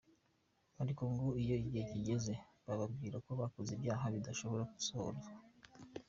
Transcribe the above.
Ariko ngo iyo igihe kigeze bababwira ko bakoze ibyaha budashobora gusohozwa.